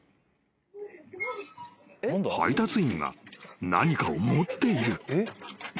［配達員が何かを持っている］